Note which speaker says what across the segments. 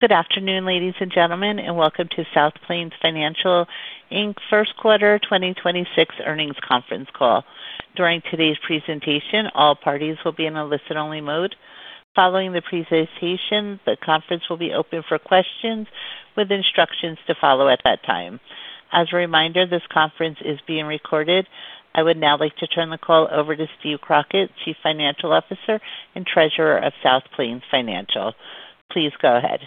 Speaker 1: Good afternoon, ladies and gentlemen, and welcome to South Plains Financial, Inc.'s Q1 2026 earnings conference call. During today's presentation, all parties will be in a listen-only mode. Following the presentation, the conference will be open for questions with instructions to follow at that time. As a reminder, this conference is being recorded. I would now like to turn the call over to Steve Crockett, Chief Financial Officer and Treasurer of South Plains Financial. Please go ahead.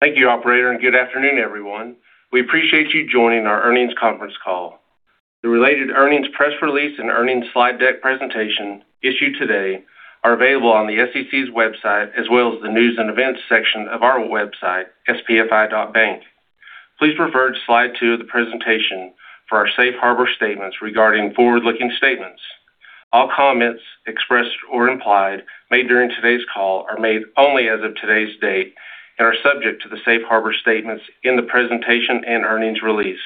Speaker 2: Thank you, operator, and good afternoon, everyone. We appreciate you joining our earnings conference call. The related earnings press release and earnings slide deck presentation issued today are available on the SEC's website as well as the News and Events section of our website, spfi.bank. Please refer to slide 2 of the presentation for our safe harbor statements regarding forward-looking statements. All comments expressed or implied made during today's call are made only as of today's date and are subject to the safe harbor statements in the presentation and earnings release.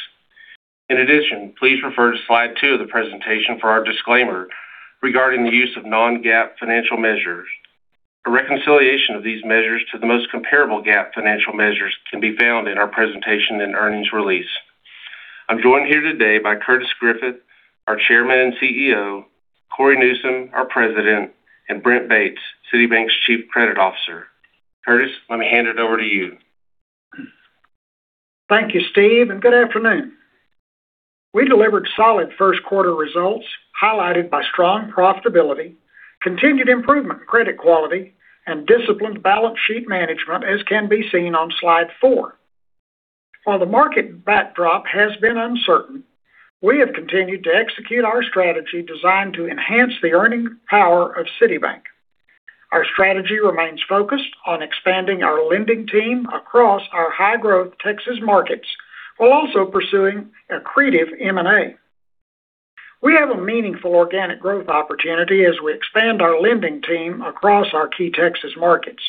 Speaker 2: In addition, please refer to slide 2 of the presentation for our disclaimer regarding the use of non-GAAP financial measures. A reconciliation of these measures to the most comparable GAAP financial measures can be found in our presentation and earnings release. I'm joined here today by Curtis Griffith, our Chairman and CEO, Cory Newsom, our President, and Brent Bates, City Bank's Chief Credit Officer. Curtis, let me hand it over to you.
Speaker 3: Thank you, Steve, and good afternoon. We delivered solid Q1 results highlighted by strong profitability, continued improvement in credit quality, and disciplined balance sheet management as can be seen on slide 4. While the market backdrop has been uncertain, we have continued to execute our strategy designed to enhance the earning power of City Bank. Our strategy remains focused on expanding our lending team across our high-growth Texas markets while also pursuing accretive M&A. We have a meaningful organic growth opportunity as we expand our lending team across our key Texas markets.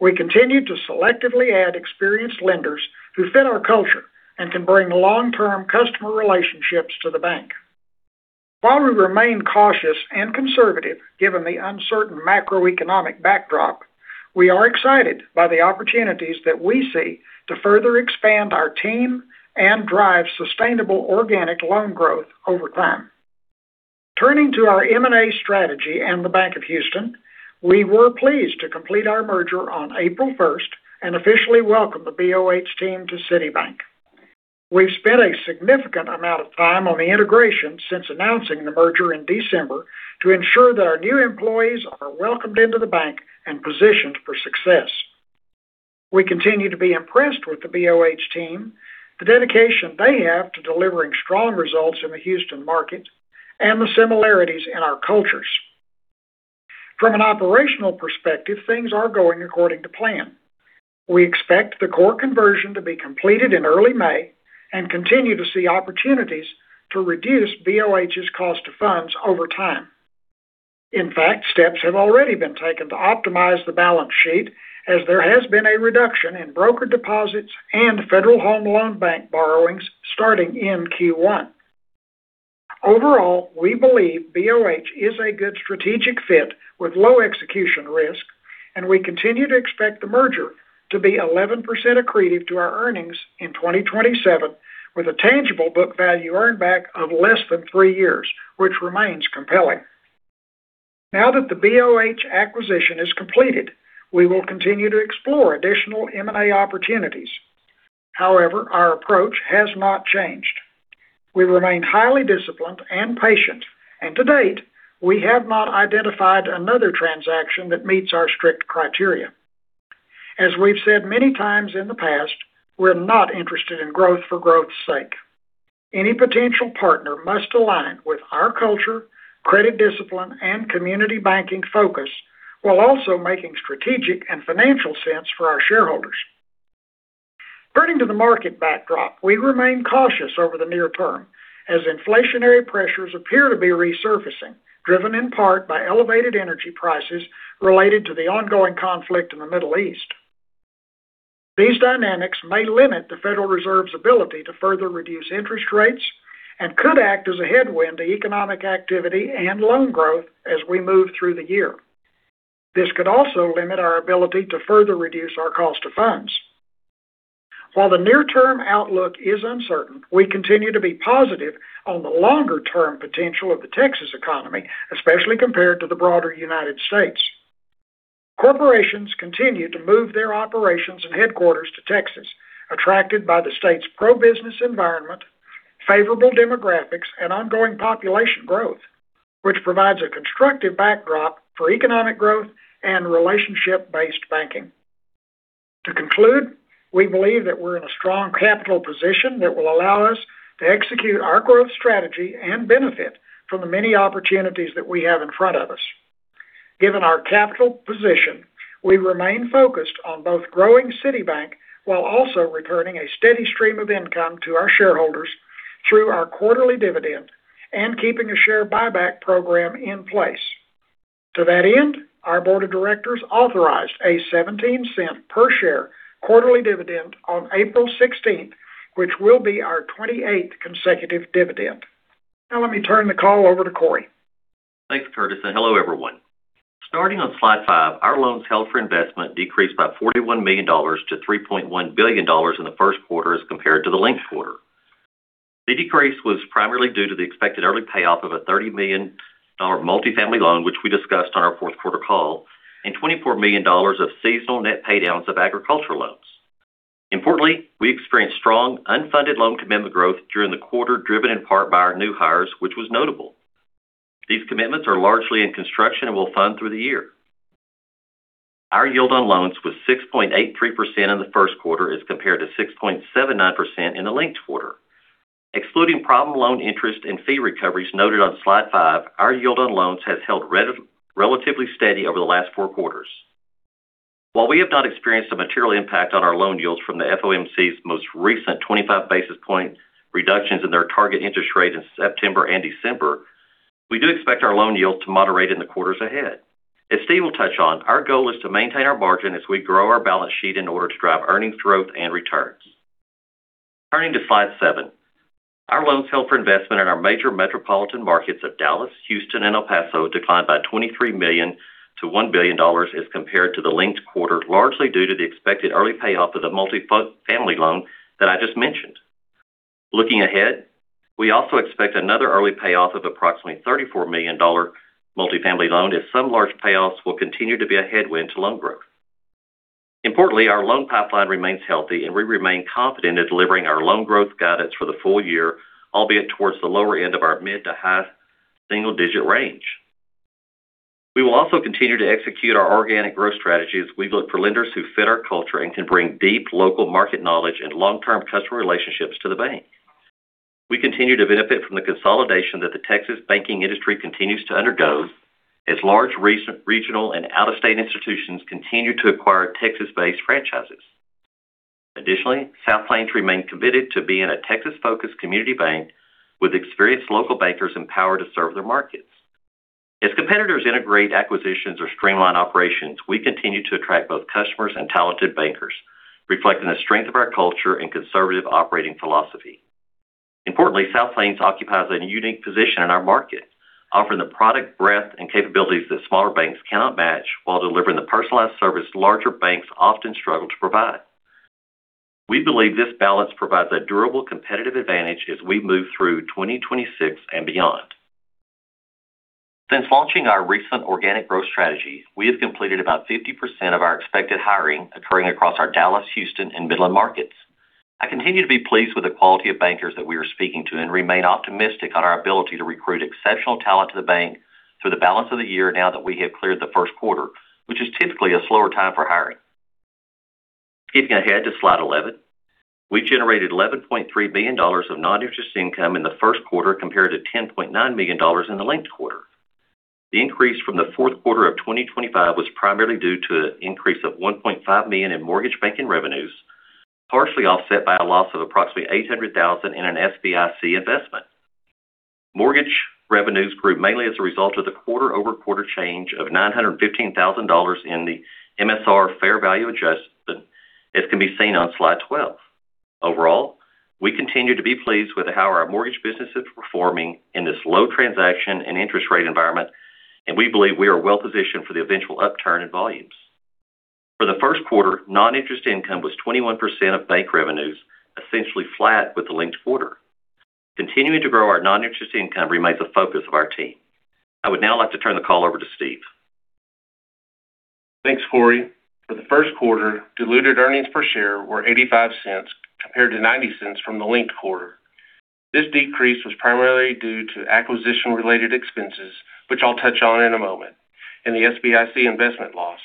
Speaker 3: We continue to selectively add experienced lenders who fit our culture and can bring long-term customer relationships to the bank. While we remain cautious and conservative given the uncertain macroeconomic backdrop, we are excited by the opportunities that we see to further expand our team and drive sustainable organic loan growth over time. Turning to our M&A strategy and the Bank of Houston, we were pleased to complete our merger on April 1st and officially welcome the BOH team to City Bank. We've spent a significant amount of time on the integration since announcing the merger in December to ensure that our new employees are welcomed into the bank and positioned for success. We continue to be impressed with the BOH team, the dedication they have to delivering strong results in the Houston market, and the similarities in our cultures. From an operational perspective, things are going according to plan. We expect the core conversion to be completed in early May and continue to see opportunities to reduce BOH's cost of funds over time. In fact, steps have already been taken to optimize the balance sheet as there has been a reduction in broker deposits and Federal Home Loan Bank borrowings starting in Q1. Overall, we believe BOH is a good strategic fit with low execution risk, and we continue to expect the merger to be 11% accretive to our earnings in 2027 with a tangible book value earn back of less than 3 years, which remains compelling. Now that the BOH acquisition is completed, we will continue to explore additional M&A opportunities. Our approach has not changed. We remain highly disciplined and patient. To date, we have not identified another transaction that meets our strict criteria. As we've said many times in the past, we're not interested in growth for growth's sake. Any potential partner must align with our culture, credit discipline, and community banking focus while also making strategic and financial sense for our shareholders. Turning to the market backdrop, we remain cautious over the near term as inflationary pressures appear to be resurfacing, driven in part by elevated energy prices related to the ongoing conflict in the Middle East. These dynamics may limit the Federal Reserve's ability to further reduce interest rates and could act as a headwind to economic activity and loan growth as we move through the year. This could also limit our ability to further reduce our cost of funds. While the near-term outlook is uncertain, we continue to be positive on the longer-term potential of the Texas economy, especially compared to the broader United States. Corporations continue to move their operations and headquarters to Texas, attracted by the state's pro-business environment, favorable demographics, and ongoing population growth, which provides a constructive backdrop for economic growth and relationship-based banking. To conclude, we believe that we're in a strong capital position that will allow us to execute our growth strategy and benefit from the many opportunities that we have in front of us. Given our capital position, we remain focused on both growing City Bank while also returning a steady stream of income to our shareholders through our quarterly dividend and keeping a share buyback program in place. To that end, our board of directors authorized a $0.17 per share quarterly dividend on April 16th, which will be our 28th consecutive dividend. Now let me turn the call over to Cory.
Speaker 4: Thanks, Curtis, and hello, everyone. Starting on slide five, our loans held for investment decreased by $41 million to $3.1 billion in the Q1 as compared to the linked quarter. The decrease was primarily due to the expected early payoff of a $30 million multifamily loan, which we discussed on our Q4 call, and $24 million of seasonal net paydowns of agricultural loans. Importantly, we experienced strong unfunded loan commitment growth during the quarter, driven in part by our new hires, which was notable. These commitments are largely in construction and will fund through the year. Our yield on loans was 6.83% in the Q1 as compared to 6.79% in the linked quarter. Excluding problem loan interest and fee recoveries noted on slide 5, our yield on loans has held relatively steady over the last four quarters. While we have not experienced a material impact on our loan yields from the FOMC's most recent 25 basis point reductions in their target interest rate in September and December, we do expect our loan yields to moderate in the quarters ahead. As Steve will touch on, our goal is to maintain our margin as we grow our balance sheet in order to drive earnings growth and returns. Turning to slide 7, our loans held for investment in our major metropolitan markets of Dallas, Houston, and El Paso declined by $23 million to $1 billion as compared to the linked quarter, largely due to the expected early payoff of the multifamily loan that I just mentioned. Looking ahead, we also expect another early payoff of approximately $34 million multifamily loan as some large payoffs will continue to be a headwind to loan growth. Importantly, our loan pipeline remains healthy, and we remain confident in delivering our loan growth guidance for the full year, albeit towards the lower end of our mid to high single-digit range. We will also continue to execute our organic growth strategy as we look for lenders who fit our culture and can bring deep local market knowledge and long-term customer relationships to the bank. We continue to benefit from the consolidation that the Texas banking industry continues to undergo as large regional and out-of-state institutions continue to acquire Texas-based franchises. South Plains remains committed to being a Texas-focused community bank with experienced local bankers empowered to serve their markets. As competitors integrate acquisitions or streamline operations, we continue to attract both customers and talented bankers, reflecting the strength of our culture and conservative operating philosophy. Importantly, South Plains occupies a unique position in our market, offering the product breadth and capabilities that smaller banks cannot match while delivering the personalized service larger banks often struggle to provide. We believe this balance provides a durable competitive advantage as we move through 2026 and beyond. Since launching our recent organic growth strategy, we have completed about 50% of our expected hiring occurring across our Dallas, Houston, and Midland markets. I continue to be pleased with the quality of bankers that we are speaking to and remain optimistic on our ability to recruit exceptional talent to the bank through the balance of the year now that we have cleared the Q1, which is typically a slower time for hiring. Skipping ahead to slide 11. We generated $11.3 billion of non-interest income in the Q1 compared to $10.9 million in the linked quarter. The increase from the Q4 quarter of 2025 was primarily due to an increase of $1.5 million in mortgage banking revenues, partially offset by a loss of approximately $800,000 in an SBIC investment. Mortgage revenues grew mainly as a result of the quarter-over-quarter change of $915,000 in the MSR fair value adjustment, as can be seen on slide 12. Overall, we continue to be pleased with how our mortgage business is performing in this low transaction and interest rate environment, and we believe we are well positioned for the eventual upturn in volumes. For the Q1, non-interest income was 21% of bank revenues, essentially flat with the linked quarter. Continuing to grow our non-interest income remains a focus of our team. I would now like to turn the call over to Steve.
Speaker 2: Thanks, Cory. For the Q1, diluted earnings per share were $0.85 compared to $0.90 from the linked quarter. This decrease was primarily due to acquisition-related expenses, which I'll touch on in a moment, and the SBIC investment loss,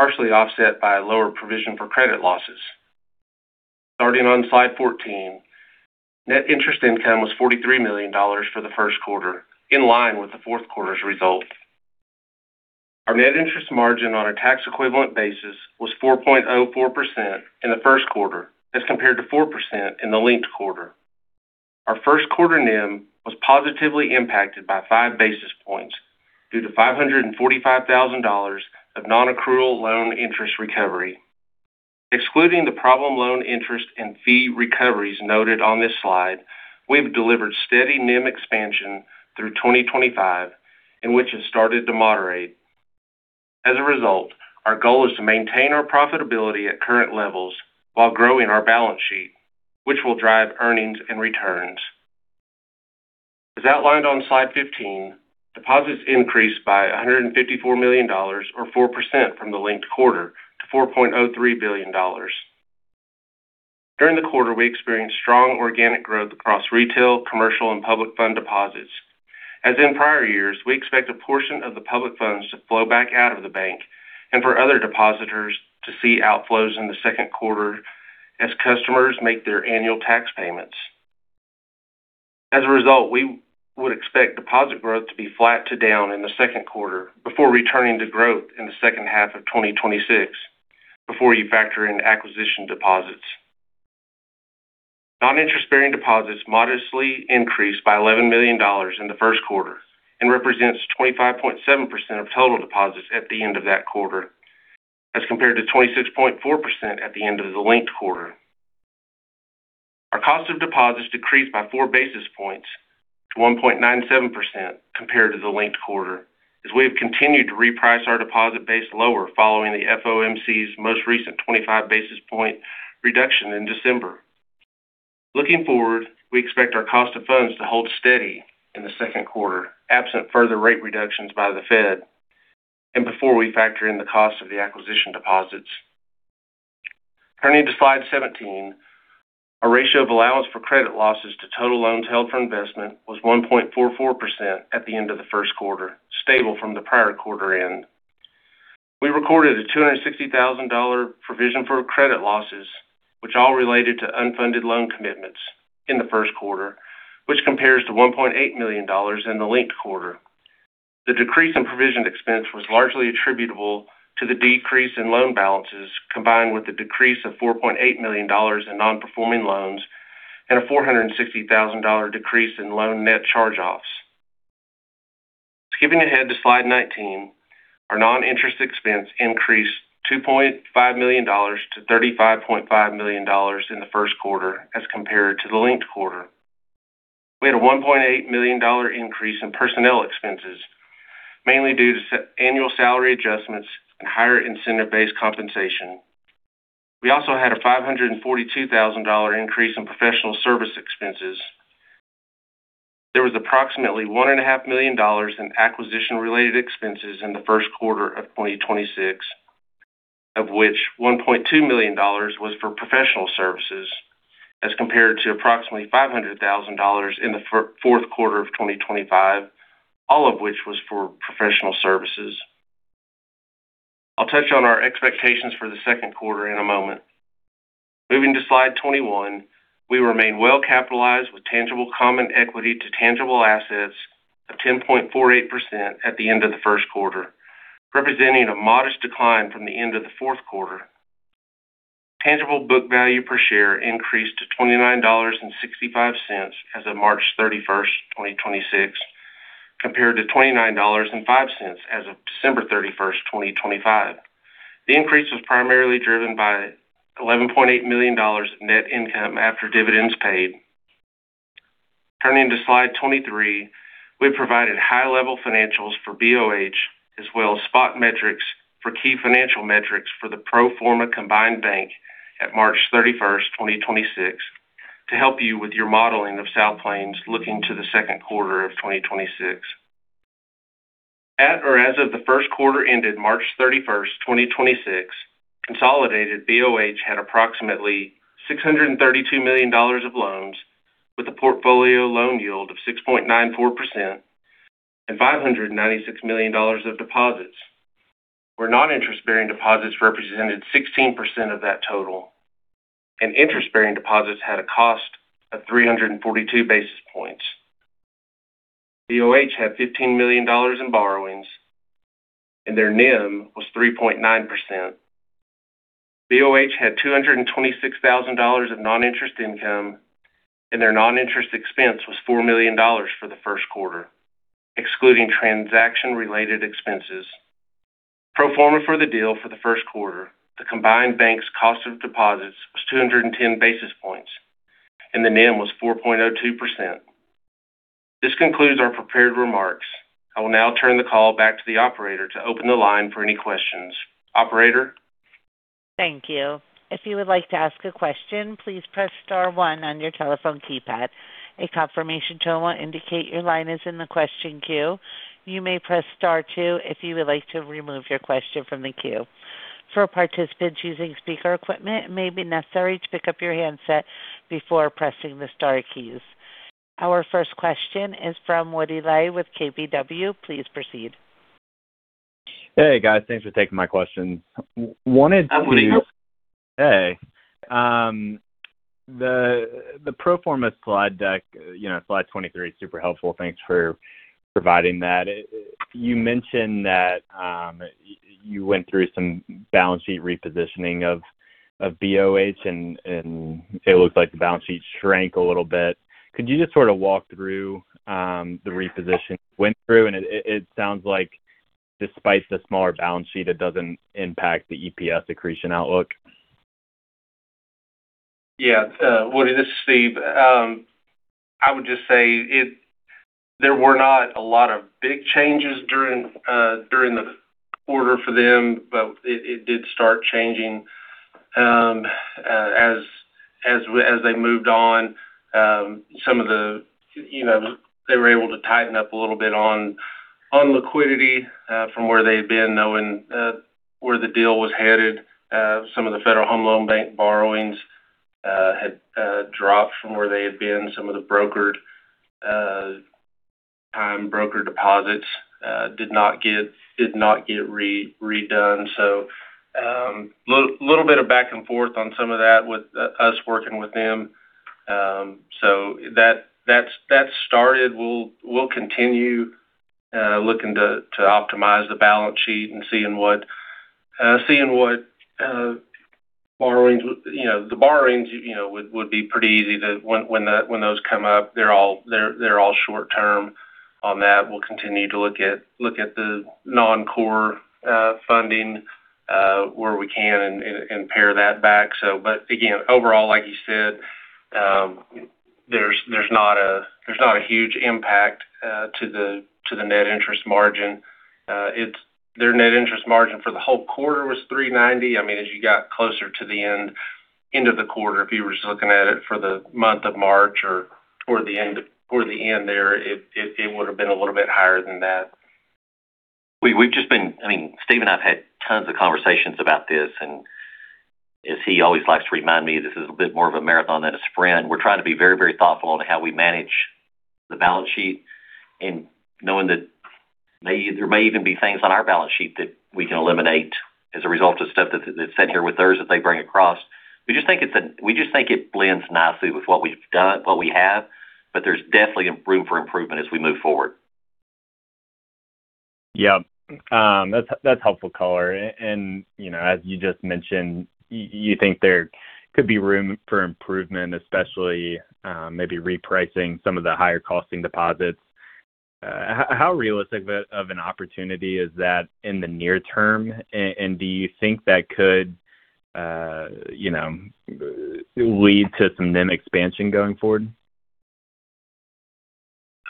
Speaker 2: partially offset by a lower provision for credit losses. Starting on slide 14, net interest income was $43 million for the Q1, in line with the Q4 result. Our net interest margin on a tax equivalent basis was 4.04% in the Q1 as compared to 4% in the linked quarter. Our Q1 NIM was positively impacted by 5 basis points due to $545,000 of non-accrual loan interest recovery. Excluding the problem loan interest and fee recoveries noted on this slide, we've delivered steady NIM expansion through 2025 and which has started to moderate. As a result, our goal is to maintain our profitability at current levels while growing our balance sheet, which will drive earnings and returns. As outlined on slide 15, deposits increased by $154 million or 4% from the linked quarter to $4.03 billion. During the quarter, we experienced strong organic growth across retail, commercial, and public fund deposits. As in prior years, we expect a portion of the public funds to flow back out of the bank and for other depositors to see outflows in the Q2 as customers make their annual tax payments. As a result, we would expect deposit growth to be flat to down in the Q2 before returning to growth in the second half of 2026 before you factor in acquisition deposits. Non-interest-bearing deposits modestly increased by $11 million in the Q1 and represents 25.7% of total deposits at the end of that quarter as compared to 26.4% at the end of the linked quarter. Our cost of deposits decreased by 4 basis points to 1.97% compared to the linked quarter as we have continued to reprice our deposit base lower following the FOMC's most recent 25 basis point reduction in December. Looking forward, we expect our cost of funds to hold steady in the Q2, absent further rate reductions by the Fed and before we factor in the cost of the acquisition deposits. Turning to slide 17, our ratio of allowance for credit losses to total loans held for investment was 1.44% at the end of the Q1, stable from the prior quarter end. We recorded a $260,000 provision for credit losses, which all related to unfunded loan commitments in the Q1, which compares to $1.8 million in the linked quarter. The decrease in provision expense was largely attributable to the decrease in loan balances, combined with a decrease of $4.8 million in non-performing loans and a $460,000 decrease in loan net charge-offs. Skipping ahead to slide 19, our non-interest expense increased $2.5 million to $35.5 million in the Q1 as compared to the linked quarter. We had a $1.8 million increase in personnel expenses, mainly due to annual salary adjustments and higher incentive-based compensation. We also had a $542,000 increase in professional service expenses. There was approximately one and a half million dollars in acquisition related expenses in the Q1 of 2026, of which $1.2 million was for professional services as compared to approximately $500,000 in the Q4 of 2025, all of which was for professional services. I'll touch on our expectations for the Q2 in a moment. Moving to slide 21, we remain well capitalized with tangible common equity to tangible assets of 10.48% at the end of the Q1, representing a modest decline from the end of the Q4. Tangible book value per share increased to $29.65 as of March 31st, 2026, compared to $29.05 as of December 31st, 2025. The increase was primarily driven by $11.8 million of net income after dividends paid. Turning to slide 23, we've provided high level financials for BOH as well as spot metrics for key financial metrics for the pro forma combined bank at March 31st, 2026 to help you with your modeling of South Plains looking to the Q2 of 2026. At or as of the Q1 ended March 31st, 2026, consolidated BOH had approximately $632 million of loans with a portfolio loan yield of 6.94% and $596 million of deposits, where non-interest bearing deposits represented 16% of that total, and interest bearing deposits had a cost of 342 basis points. BOH had $15 million in borrowings, and their NIM was 3.9%. BOH had $226,000 of non-interest income, and their non-interest expense was $4 million for the Q1, excluding transaction related expenses. Pro forma for the deal for the Q1, the combined bank's cost of deposits was 210 basis points, and the NIM was 4.02%. This concludes our prepared remarks. I will now turn the call back to the operator to open the line for any questions. Operator?
Speaker 1: Thank you. If you would like to ask a question, please press star one on your telephone keypad. A confirmation tone will indicate your line is in the question queue. You may press star two if you would like to remove your question from the queue. For participants using speaker equipments, may be necessary to pick up your handset before pressing the star keys. Our first question is from Woody Lay with KBW. Please proceed.
Speaker 5: Hey, guys. Thanks for taking my questions.
Speaker 2: Hi, Woody.
Speaker 5: Hey. The, the pro forma slide deck, you know, slide 23 is super helpful. Thanks for providing that. You mentioned that you went through some balance sheet repositioning of BOH and it looks like the balance sheet shrank a little bit. Could you just sort of walk through the reposition you went through? It, it sounds like despite the smaller balance sheet, it doesn't impact the EPS accretion outlook.
Speaker 2: Yeah. Woody, this is Steve. I would just say there were not a lot of big changes during the quarter for them, but it did start changing as they moved on. Some of the, you know, they were able to tighten up a little bit on liquidity from where they had been, knowing where the deal was headed. Some of the Federal Home Loan Bank borrowings had dropped from where they had been. Some of the brokered broker deposits did not get redone. Little bit of back and forth on some of that with us working with them. That's started. We'll continue looking to optimize the balance sheet and seeing what borrowings, you know, the borrowings, you know, would be pretty easy to. When those come up, they're all short term. On that, we'll continue to look at the non-core funding where we can and pair that back. But again, overall, like you said, there's not a huge impact to the net interest margin. Their net interest margin for the whole quarter was 3.90. I mean, as you got closer to the end of the quarter, if you were just looking at it for the month of March or toward the end there, it would have been a little bit higher than that.
Speaker 4: We've just been, I mean, Steve and I have had tons of conversations about this. As he always likes to remind me, this is a bit more of a marathon than a sprint. We're trying to be very, very thoughtful on how we manage the balance sheet knowing that there may even be things on our balance sheet that we can eliminate as a result of stuff that's said here with theirs that they bring across. We just think it blends nicely with what we've done, what we have. There's definitely room for improvement as we move forward.
Speaker 5: Yeah. That's helpful color. You know, as you just mentioned, you think there could be room for improvement, especially, maybe repricing some of the higher costing deposits. How realistic of an opportunity is that in the near term, and do you think that could, you know, lead to some NIM expansion going forward?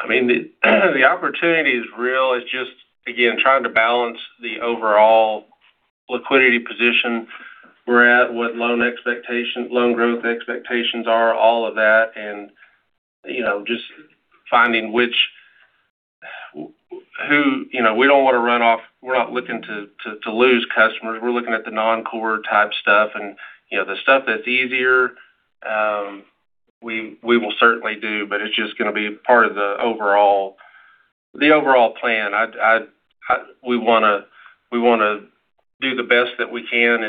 Speaker 2: I mean, the opportunity is real. It's just, again, trying to balance the overall liquidity position we're at, what loan growth expectations are, all of that. You know, we don't want to run off. We're not looking to lose customers. We're looking at the non-core type stuff and, you know, the stuff that's easier, we will certainly do, but it's just gonna be part of the overall, the overall plan. We wanna do the best that we can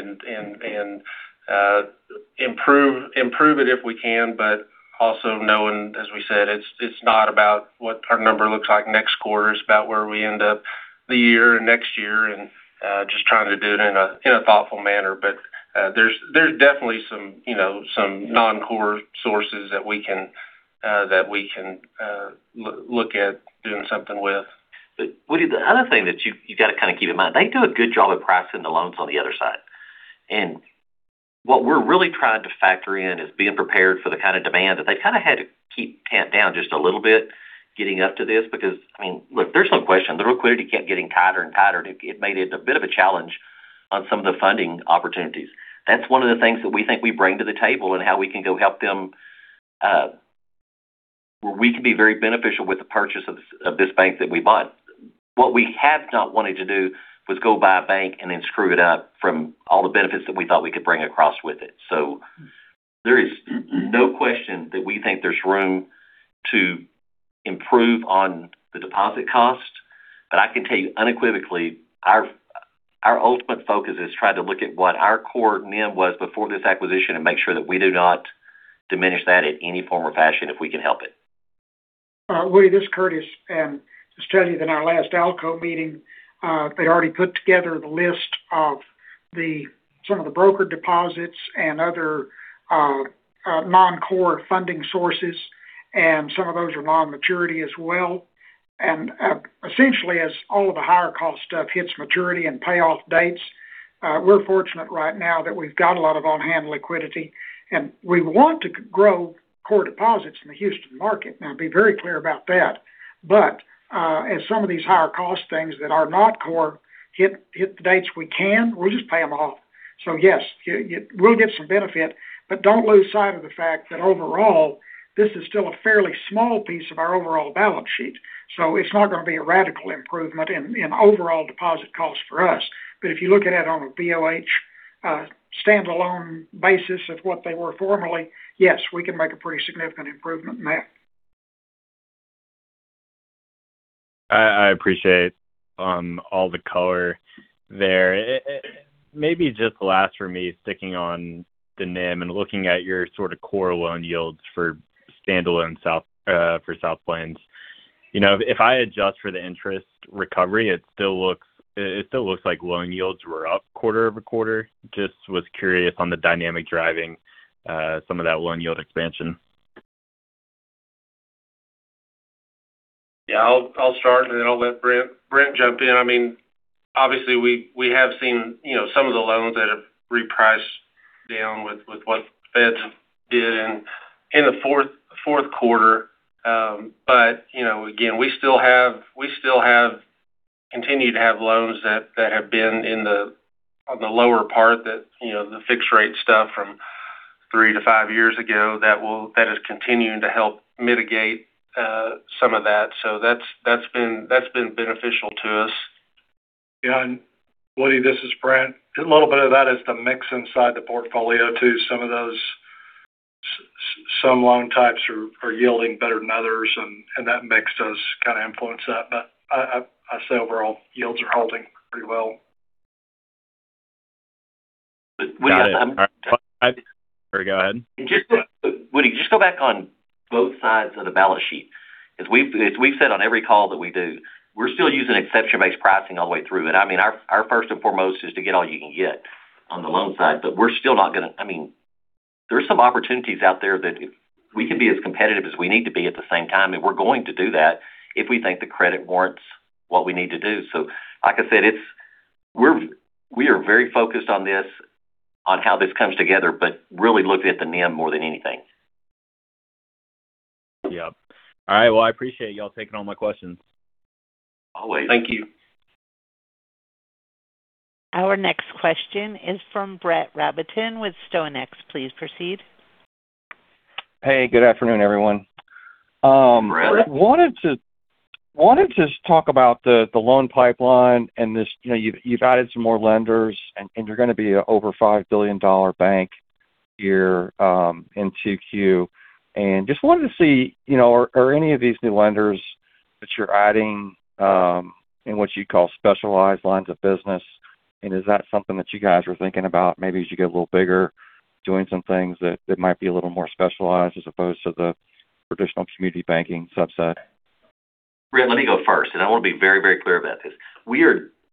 Speaker 2: and improve it if we can. Also knowing, as we said, it's not about what our number looks like next quarter. It's about where we end up the year and next year and just trying to do it in a, in a thoughtful manner. There's definitely some, you know, some non-core sources that we can that we can look at doing something with.
Speaker 4: Woody, the other thing that you got to kind of keep in mind, they do a good job of pricing the loans on the other side. What we're really trying to factor in is being prepared for the kind of demand that they kind of had to keep tamp down just a little bit getting up to this because, I mean, look, there's no question the liquidity kept getting tighter and tighter, and it made it a bit of a challenge on some of the funding opportunities. That's one of the things that we think we bring to the table and how we can go help them, where we can be very beneficial with the purchase of this bank that we bought. What we have not wanted to do was go buy a bank and then screw it up from all the benefits that we thought we could bring across with it. There is no question that we think there's room to improve on the deposit cost. I can tell you unequivocally, our ultimate focus is try to look at what our core NIM was before this acquisition and make sure that we do not diminish that in any form or fashion, if we can help it.
Speaker 3: Woody, this is Curtis. Just tell you that in our last ALCO meeting, they already put together the list of some of the broker deposits and other non-core funding sources, and some of those are long maturity as well. Essentially, as all of the higher cost stuff hits maturity and payoff dates, we're fortunate right now that we've got a lot of on-hand liquidity, and we want to grow core deposits in the Houston market. Now, be very clear about that. As some of these higher cost things that are not core hit the dates we can, we'll just pay them off. Yes, we'll get some benefit, but don't lose sight of the fact that overall, this is still a fairly small piece of our overall balance sheet. It's not going to be a radical improvement in overall deposit costs for us. If you look at it on a BOH standalone basis of what they were formerly, yes, we can make a pretty significant improvement in that.
Speaker 5: I appreciate all the color there. Maybe just last for me sticking on the NIM and looking at your sort of core loan yields for standalone South Plains. You know, if I adjust for the interest recovery, it still looks like loan yields were up quarter-over-quarter. Just was curious on the dynamic driving some of that loan yield expansion.
Speaker 2: Yeah. I'll start and then I'll let Brent jump in. I mean, obviously we have seen, you know, some of the loans that have repriced down with what Fed did in the Q4. You know, again, we still have continued to have loans that have been in the, on the lower part that, you know, the fixed rate stuff from three to five years ago that is continuing to help mitigate some of that. That's been beneficial to us.
Speaker 6: Yeah. Woody, this is Brent. A little bit of that is the mix inside the portfolio too. Some of those some loan types are yielding better than others and that mix does kind of influence that. I say overall yields are holding pretty well.
Speaker 5: Got it. All right. Go ahead.
Speaker 4: Woody, just go back on both sides of the balance sheet. As we've said on every call that we do, we're still using exception-based pricing all the way through. I mean, our first and foremost is to get all you can get on the loan side. We're still not going to. I mean, there's some opportunities out there that if we can be as competitive as we need to be at the same time, and we're going to do that if we think the credit warrants what we need to do. Like I said, it's. We are very focused on this, on how this comes together, but really looking at the NIM more than anything.
Speaker 5: Yep. All right. Well, I appreciate y'all taking all my questions.
Speaker 4: Always.
Speaker 6: Thank you.
Speaker 1: Our next question is from Brett Rabatin with StoneX. Please proceed.
Speaker 7: Hey, good afternoon, everyone.
Speaker 4: Brett.
Speaker 7: I wanted to just talk about the loan pipeline and this, you know, you've added some more lenders and you're gonna be a over $5 billion bank here in Q2. Just wanted to see, you know, are any of these new lenders that you're adding in what you'd call specialized lines of business? Is that something that you guys are thinking about maybe as you get a little bigger, doing some things that might be a little more specialized as opposed to the traditional community banking subset?
Speaker 4: Brett, let me go first, and I want to be very, very clear about this.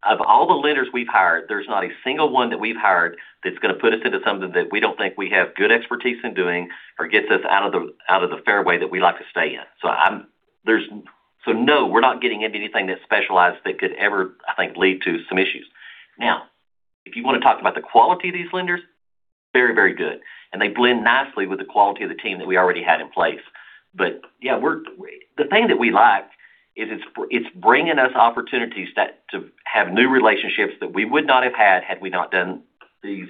Speaker 4: Of all the lenders we have hired, there is not a single one that we have hired that is going to put us into something that we do not think we have good expertise in doing or gets us out of the fairway that we like to stay in. No, we are not getting into anything that is specialized that could ever, I think, lead to some issues. If you want to talk about the quality of these lenders, very, very good, and they blend nicely with the quality of the team that we already had in place. Yeah, we're the thing that we like is it's bringing us opportunities that to have new relationships that we would not have had we not done these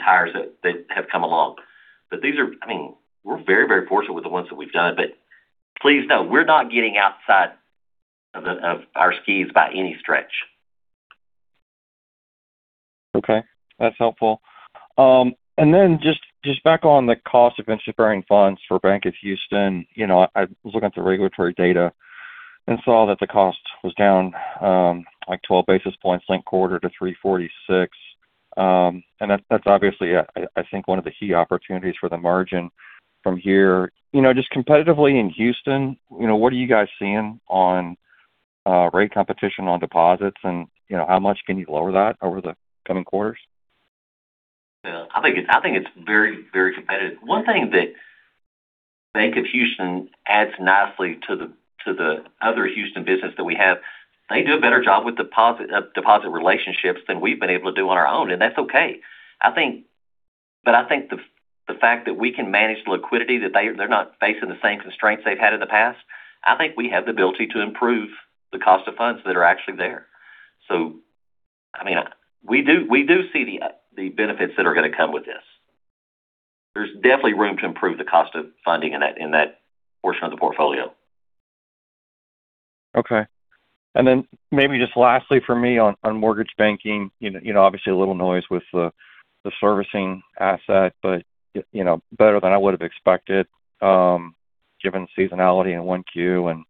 Speaker 4: hires that have come along. These are. I mean, we're very, very fortunate with the ones that we've done, but please know we're not getting outside of our skis by any stretch.
Speaker 7: Okay, that's helpful. Just back on the cost of interest-bearing funds for Bank of Houston. You know, I was looking at the regulatory data and saw that the cost was down, like 12 basis points linked quarter to 3.46. That's obviously, I think one of the key opportunities for the margin from here. You know, just competitively in Houston, you know, what are you guys seeing on rate competition on deposits and, you know, how much can you lower that over the coming quarters?
Speaker 4: Yeah. I think it's, I think it's very, very competitive. One thing that Bank of Houston adds nicely to the, to the other Houston business that we have, they do a better job with deposit relationships than we've been able to do on our own, and that's okay. But I think the fact that we can manage the liquidity, that they're not facing the same constraints they've had in the past, I think we have the ability to improve the cost of funds that are actually there. I mean, we do, we do see the benefits that are gonna come with this. There's definitely room to improve the cost of funding in that, in that portion of the portfolio.
Speaker 7: Okay. Then maybe just lastly for me on mortgage banking, you know, obviously a little noise with the servicing asset, but, you know, better than I would have expected, given seasonality in one Q and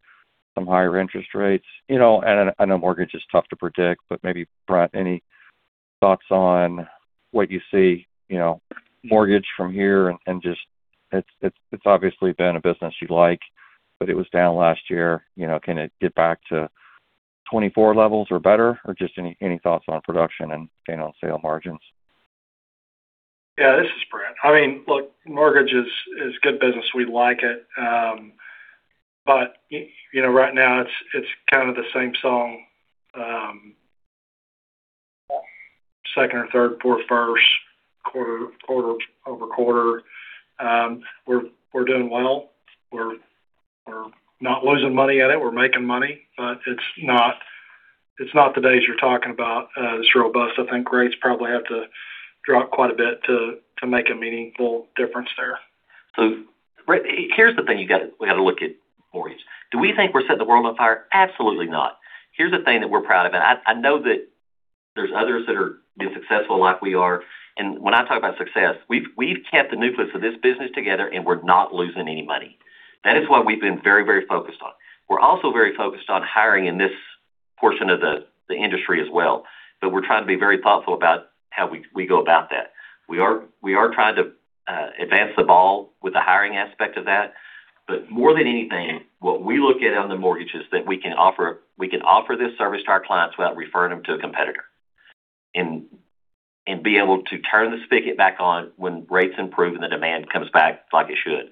Speaker 7: some higher interest rates. I know mortgage is tough to predict, but maybe, Brent, any thoughts on what you see, you know, mortgage from here and just it's obviously been a business you like, but it was down last year. Can it get back to 2024 levels or better? Just any thoughts on production and gain on sale margins?
Speaker 6: Yeah, this is Brent. I mean, look, mortgage is good business. We like it. You know, right now it's kind of the same song, second or third, fourth, Q1-over-quarter. We're doing well. We're not losing money at it. We're making money. It's not the days you're talking about as robust. I think rates probably have to drop quite a bit to make a meaningful difference there.
Speaker 4: Brett, here's the thing we gotta look at mortgage. Do we think we're setting the world on fire? Absolutely not. Here's the thing that we're proud about. I know that there's others that are being successful like we are, and when I talk about success, we've kept the nucleus of this business together, and we're not losing any money. That is what we've been very focused on. We're also very focused on hiring in this portion of the industry as well, but we're trying to be very thoughtful about how we go about that. We are trying to advance the ball with the hiring aspect of that. More than anything, what we look at on the mortgage is that we can offer this service to our clients without referring them to a competitor and be able to turn the spigot back on when rates improve and the demand comes back like it should.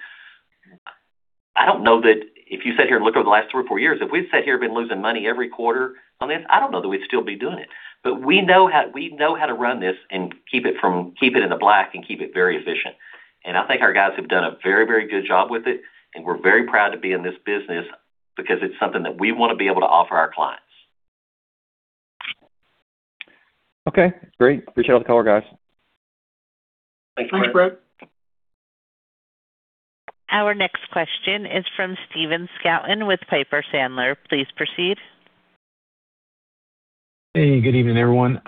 Speaker 4: I don't know that if you sat here and looked over the last 3 or 4 years, if we'd sat here and been losing money every quarter on this, I don't know that we'd still be doing it. We know how to run this and keep it in the black and keep it very efficient. I think our guys have done a very, very good job with it, and we're very proud to be in this business because it's something that we wanna be able to offer our clients.
Speaker 7: Okay. Great. Appreciate the call, guys.
Speaker 4: Thank you, Brett.
Speaker 6: Thanks, Brett.
Speaker 1: Our next question is from Stephen Scouten with Piper Sandler. Please proceed.
Speaker 8: Hey, good evening, everyone.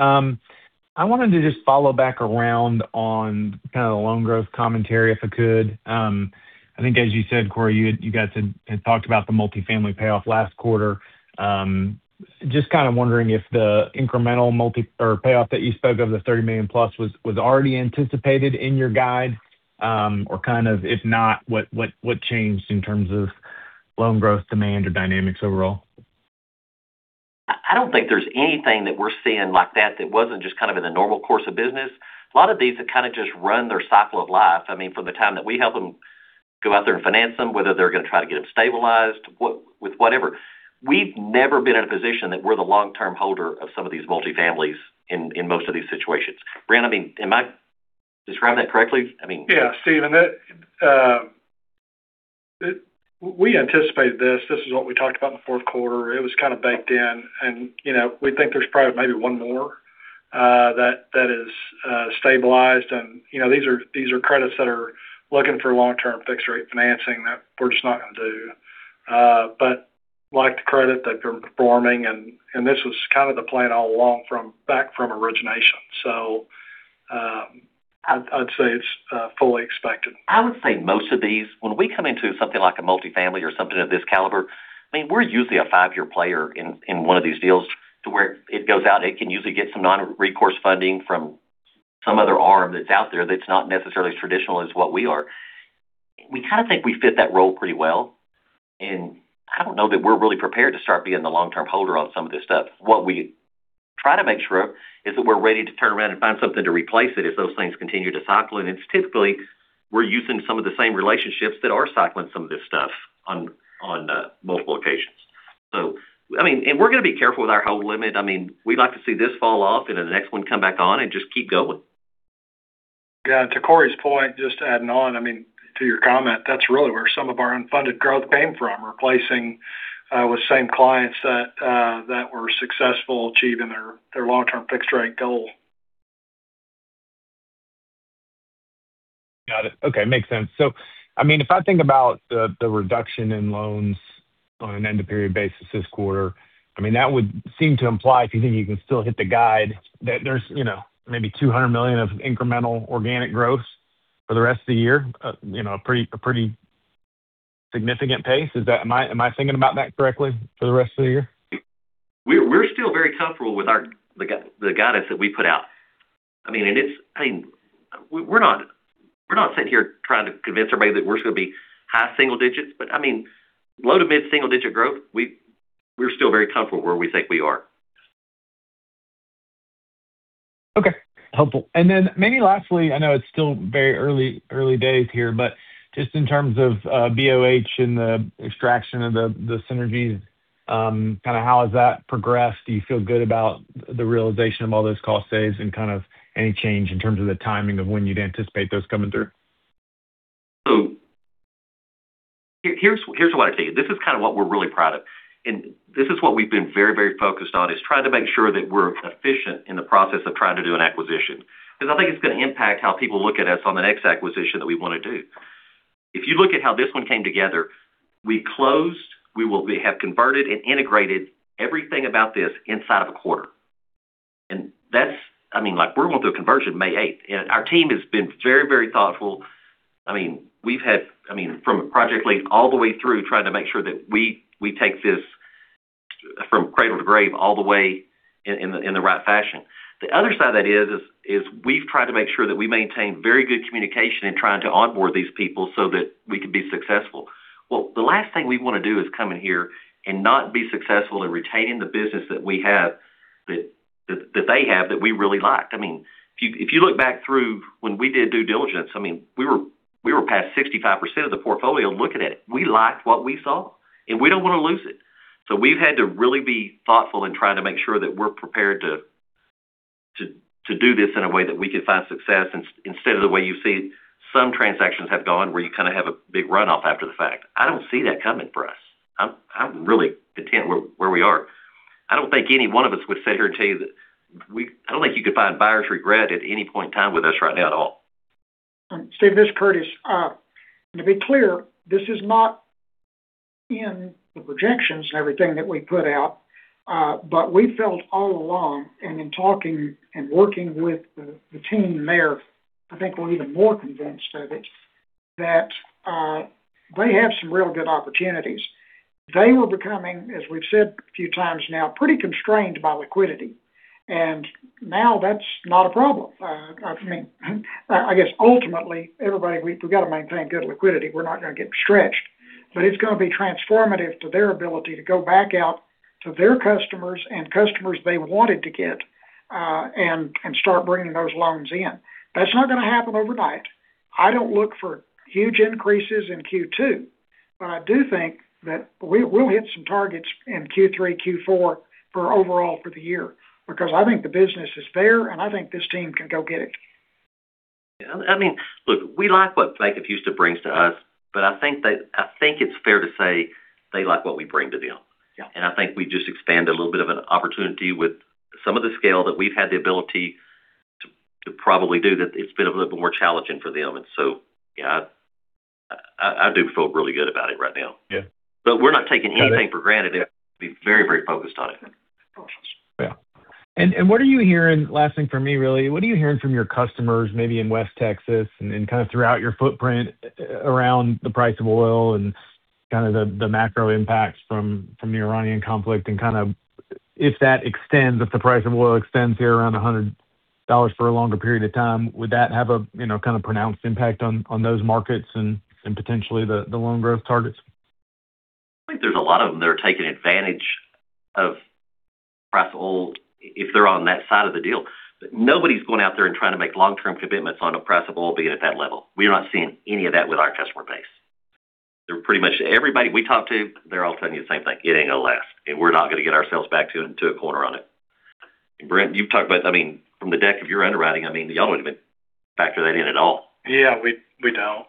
Speaker 8: I wanted to just follow back around on kind of the loan growth commentary, if I could. I think as you said, Cory, you guys had talked about the multifamily payoff last quarter. Just kind of wondering if the incremental multi or payoff that you spoke of, the $30 million plus was already anticipated in your guide, or kind of if not, what changed in terms of loan growth demand or dynamics overall?
Speaker 4: I don't think there's anything that we're seeing like that that wasn't just kind of in the normal course of business. A lot of these have kind of just run their cycle of life. I mean, from the time that we help them go out there and finance them, whether they're gonna try to get them stabilized, with whatever. We've never been in a position that we're the long-term holder of some of these multi-families in most of these situations. Brent, I mean, am I describing that correctly?
Speaker 6: Yeah, Stephen, that we anticipated this. This is what we talked about in the Q4. It was kind of baked in. You know, we think there's probably maybe one more that is stabilized. You know, these are credits that are looking for long-term fixed rate financing that we're just not gonna do. Like the credit, they're performing and this was kind of the plan all along back from origination. I'd say it's fully expected.
Speaker 4: I would say most of these, when we come into something like a multifamily or something of this caliber, I mean, we're usually a five-year player in one of these deals to where it goes out, it can usually get some non-recourse funding from some other arm that's out there that's not necessarily as traditional as what we are. We kind of think we fit that role pretty well, I don't know that we're really prepared to start being the long-term holder on some of this stuff. What we try to make sure is that we're ready to turn around and find something to replace it if those things continue to cycle, It's typically we're using some of the same relationships that are cycling some of this stuff on multiple occasions. I mean, we're gonna be careful with our hold limit. I mean, we'd like to see this fall off and the next one come back on and just keep going.
Speaker 6: Yeah. To Cory's point, just adding on, I mean, to your comment, that's really where some of our unfunded growth came from, replacing with same clients that were successful achieving their long-term fixed rate goal.
Speaker 8: Got it. Okay. Makes sense. I mean, if I think about the reduction in loans on an end of period basis this quarter, I mean, that would seem to imply if you think you can still hit the guide that there's, you know, maybe $200 million of incremental organic growth for the rest of the year, you know, a pretty significant pace. Am I thinking about that correctly for the rest of the year?
Speaker 4: We're still very comfortable with our guidance that we put out. I mean, and it's I mean, we're not, we're not sitting here trying to convince everybody that we're gonna be high single digits, but I mean, low to mid-single digit growth, we're still very comfortable where we think we are.
Speaker 8: Okay. Helpful. Maybe lastly, I know it's still very early days here, just in terms of BOH and the extraction of the synergies, kind of how has that progressed? Do you feel good about the realization of all those cost saves and kind of any change in terms of the timing of when you'd anticipate those coming through?
Speaker 4: Here's what I tell you. This is kind of what we're really proud of, and this is what we've been very focused on, is trying to make sure that we're efficient in the process of trying to do an acquisition. 'Cause I think it's gonna impact how people look at us on the next acquisition that we wanna do. If you look at how this one came together, we closed, we have converted and integrated everything about this inside of a quarter. I mean, like, we're going through a conversion May 8, and our team has been very thoughtful. I mean, we've had, I mean, from a project lead all the way through trying to make sure that we take this from cradle to grave all the way in the right fashion. The other side of that is, we've tried to make sure that we maintain very good communication in trying to onboard these people so that we can be successful. Well, the last thing we wanna do is come in here and not be successful in retaining the business that we have, that they have, that we really liked. I mean, if you look back through when we did due diligence, I mean, we were past 65% of the portfolio looking at it. We liked what we saw, and we don't wanna lose it. We've had to really be thoughtful in trying to make sure that we're prepared to do this in a way that we could find success instead of the way you see some transactions have gone, where you kind of have a big runoff after the fact. I don't see that coming for us. I'm really content where we are. I don't think you could find buyer's regret at any point in time with us right now at all.
Speaker 3: Steve, this is Curtis. To be clear, this is not in the projections and everything that we put out, but we felt all along and in talking and working with the team there, I think we're even more convinced of it, that they have some real good opportunities. They were becoming, as we've said a few times now, pretty constrained by liquidity. Now that's not a problem. I mean, I guess ultimately, everybody, we've got to maintain good liquidity. We're not gonna get stretched. It's gonna be transformative to their ability to go back out to their customers and customers they wanted to get, and start bringing those loans in. That's not gonna happen overnight. I don't look for huge increases in Q2, but I do think that we'll hit some targets in Q3, Q4 for overall for the year, because I think the business is there, and I think this team can go get it.
Speaker 4: Yeah. I mean, look, we like what Bank of Houston brings to us, but I think it's fair to say they like what we bring to them.
Speaker 3: Yeah.
Speaker 4: I think we just expand a little bit of an opportunity with some of the scale that we've had the ability to probably do that it's been a little bit more challenging for them. Yeah, I do feel really good about it right now.
Speaker 3: Yeah.
Speaker 4: We're not taking anything for granted. We have to be very, very focused on it.
Speaker 3: Of course.
Speaker 8: Yeah. What are you hearing, last thing from me really, what are you hearing from your customers, maybe in West Texas and kind of throughout your footprint around the price of oil and kind of the macro impacts from the Iranian conflict and kind of if the price of oil extends here around $100 for a longer period of time, would that have a, you know, kind of pronounced impact on those markets and potentially the loan growth targets?
Speaker 4: I think there's a lot of them that are taking advantage of price of oil if they're on that side of the deal. Nobody's going out there and trying to make long-term commitments on a price of oil being at that level. We are not seeing any of that with our customer base. They're everybody we talk to, they're all telling you the same thing. It ain't gonna last. We're not gonna get ourselves back to a corner on it. Brent, you've talked about. I mean, from the deck of your underwriting, I mean, y'all wouldn't even factor that in at all.
Speaker 6: Yeah, we don't.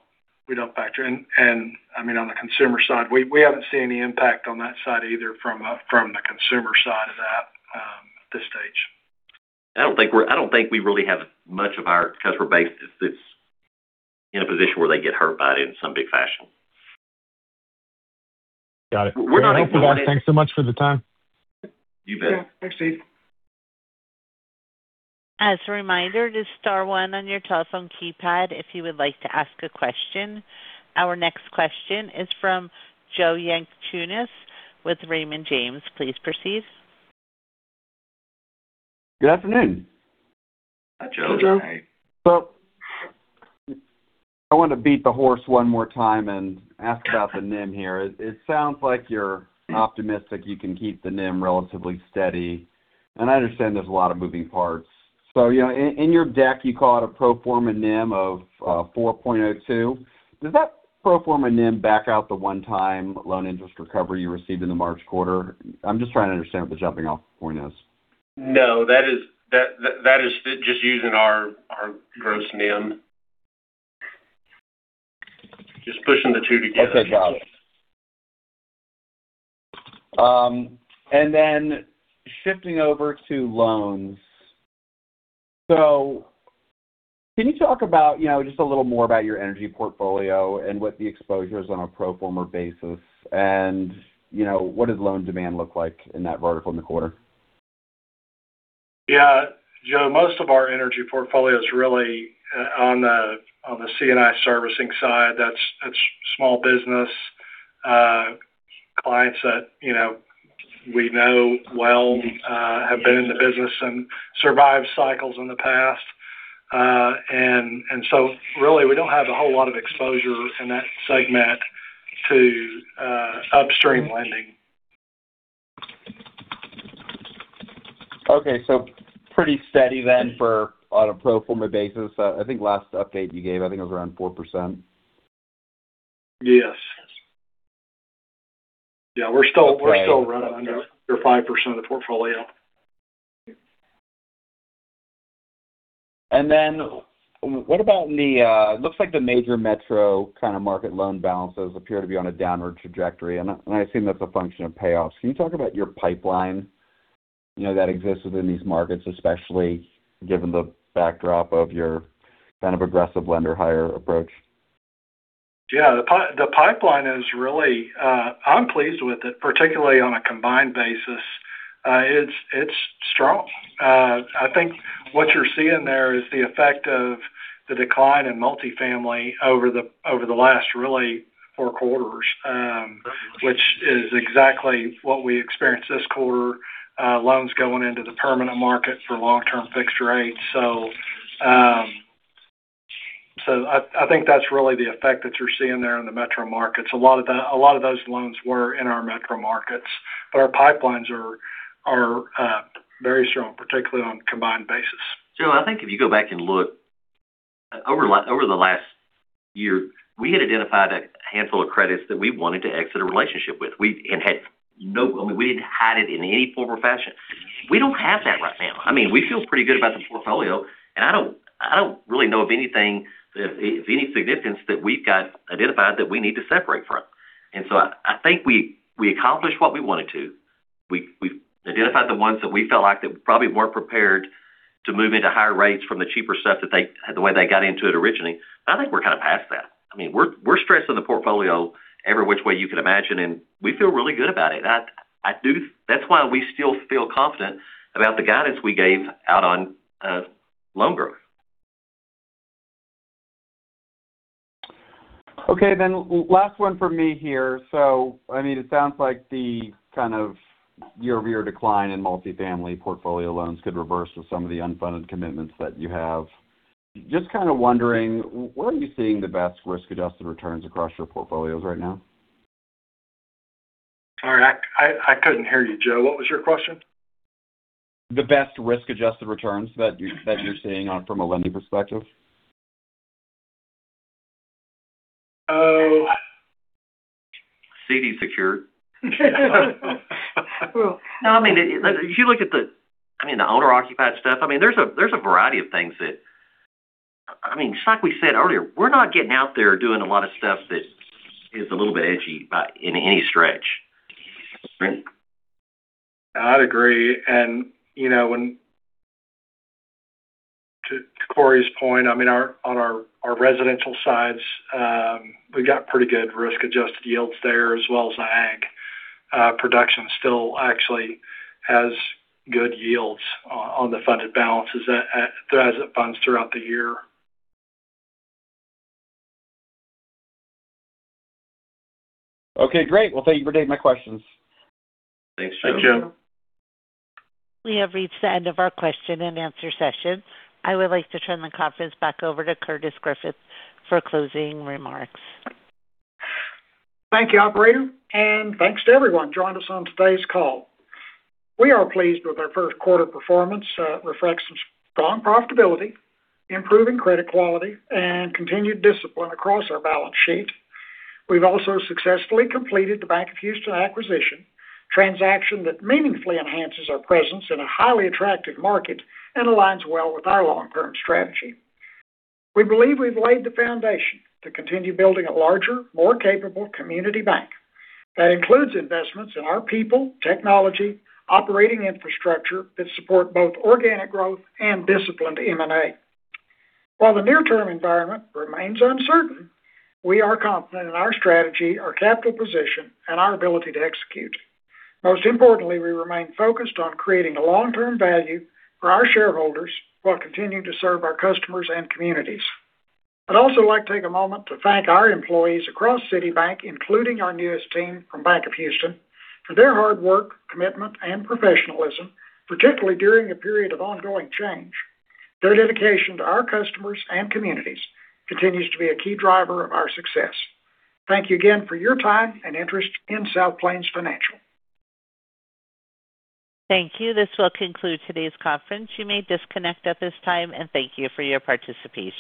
Speaker 6: We don't factor in. I mean, on the consumer side, we haven't seen any impact on that side either from the consumer side of that, at this stage.
Speaker 4: I don't think we really have much of our customer base that's in a position where they get hurt by it in some big fashion.
Speaker 8: Got it.
Speaker 4: We're not ignoring it.
Speaker 8: Thanks so much for the time.
Speaker 4: You bet.
Speaker 3: Yeah. Thanks, Steve.
Speaker 1: As a reminder, just star 1 on your telephone keypad if you would like to ask a question. Our next question is from Joe Yanchunis with Raymond James. Please proceed.
Speaker 9: Good afternoon.
Speaker 4: Hi, Joe.
Speaker 3: Hey, Joe.
Speaker 9: Well, I want to beat the horse one more time and ask about the NIM here. It sounds like you're optimistic you can keep the NIM relatively steady, and I understand there's a lot of moving parts. You know, in your deck, you call it a pro forma NIM of $4.02. Does that pro forma NIM back out the one-time loan interest recovery you received in the March quarter? I'm just trying to understand what the jumping off point is.
Speaker 2: No, that is just using our gross NIM. Just pushing the 2 together.
Speaker 9: Okay, got it. Shifting over to loans. Can you talk about, you know, just a little more about your energy portfolio and what the exposure is on a pro forma basis? You know, what does loan demand look like in that vertical in the quarter?
Speaker 6: Yeah. Joe, most of our energy portfolio is really on the C&I servicing side. That's small business clients that, you know, we know well, have been in the business and survived cycles in the past. Really, we don't have a whole lot of exposure in that segment to upstream lending.
Speaker 9: Okay. pretty steady then for on a pro forma basis. I think last update you gave, I think it was around 4%.
Speaker 6: Yes.
Speaker 9: Okay.
Speaker 6: We're still running under 5% of the portfolio.
Speaker 9: What about the, it looks like the major metro kind of market loan balances appear to be on a downward trajectory, and I assume that's a function of payoffs. Can you talk about your pipeline, you know, that exists within these markets, especially given the backdrop of your kind of aggressive lender hire approach?
Speaker 6: Yeah. The pipeline is really, I'm pleased with it, particularly on a combined basis. It's strong. I think what you're seeing there is the effect of the decline in multifamily over the last really four quarters, which is exactly what we experienced this quarter, loans going into the permanent market for long-term fixed rates. I think that's really the effect that you're seeing there in the metro markets. A lot of those loans were in our metro markets, but our pipelines are very strong, particularly on a combined basis.
Speaker 4: Joe, I think if you go back and look, over the last year, we had identified a handful of credits that we wanted to exit a relationship with. I mean, we didn't hide it in any form or fashion. We don't have that right now. I mean, we feel pretty good about the portfolio, I don't really know of any significance that we've got identified that we need to separate from. I think we accomplished what we wanted to. We've identified the ones that we felt like that probably weren't prepared to move into higher rates from the cheaper stuff the way they got into it originally. I think we're kind of past that. I mean, we're stressing the portfolio every which way you can imagine, and we feel really good about it. That's why we still feel confident about the guidance we gave out on loan growth.
Speaker 9: Okay, then last one for me here. I mean, it sounds like the kind of year-over-year decline in multifamily portfolio loans could reverse with some of the unfunded commitments that you have. Just kind of wondering, where are you seeing the best risk-adjusted returns across your portfolios right now?
Speaker 6: Sorry, I couldn't hear you, Joe. What was your question?
Speaker 9: The best risk-adjusted returns that you're seeing on from a lending perspective.
Speaker 6: Oh.
Speaker 9: CD secured.
Speaker 4: No, I mean, if you look at the owner-occupied stuff, I mean, there's a variety of things that, I mean, just like we said earlier, we're not getting out there doing a lot of stuff that is a little bit edgy in any stretch. Brent?
Speaker 6: I'd agree. You know, when to Cory's point, I mean, on our residential sides, we got pretty good risk-adjusted yields there as well as the ag. Production still actually has good yields on the funded balances, as it funds throughout the year.
Speaker 9: Okay, great. Well, thank you for taking my questions.
Speaker 4: Thanks, Joe.
Speaker 6: Thanks, Joe.
Speaker 1: We have reached the end of our question and answer session. I would like to turn the conference back over to Curtis Griffith for closing remarks.
Speaker 3: Thank you, operator, and thanks to everyone joined us on today's call. We are pleased with our Q1 performance. It reflects some strong profitability, improving credit quality, and continued discipline across our balance sheet. We've also successfully completed the Bank of Houston acquisition, a transaction that meaningfully enhances our presence in a highly attractive market and aligns well with our long-term strategy. We believe we've laid the foundation to continue building a larger, more capable community bank that includes investments in our people, technology, operating infrastructure that support both organic growth and disciplined M&A. While the near-term environment remains uncertain, we are confident in our strategy, our capital position, and our ability to execute. Most importantly, we remain focused on creating a long-term value for our shareholders while continuing to serve our customers and communities. I'd also like to take a moment to thank our employees across City Bank, including our newest team from Bank of Houston, for their hard work, commitment, and professionalism, particularly during a period of ongoing change. Their dedication to our customers and communities continues to be a key driver of our success. Thank you again for your time and interest in South Plains Financial.
Speaker 1: Thank you. This will conclude today's conference. You may disconnect at this time, and thank you for your participation.